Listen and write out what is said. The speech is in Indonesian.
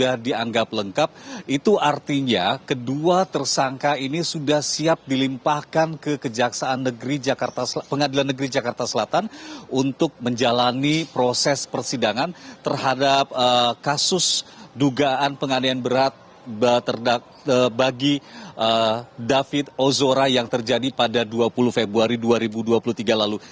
hari ini sudah siap dilimpahkan ke kejaksaan negeri jakarta selatan untuk menjalani proses persidangan terhadap kasus dugaan penganiayaan berat bagi david ozora yang terjadi pada dua puluh februari dua ribu dua puluh tiga lalu